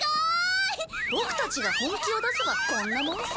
ボクたちが本気を出せばこんなもんさ。